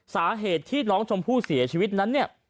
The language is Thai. สาเหตุที่น้องชมพู่เสียชีวิตนั้นเนี่ย